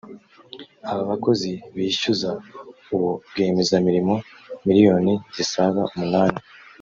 Aba bakozi bishyuza uwo rwiyemeza mirimo miriyoni zisaga umunani